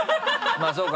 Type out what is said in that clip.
まぁそうか。